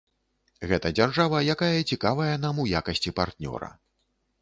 Гэта дзяржава, якая цікавая нам у якасці партнёра.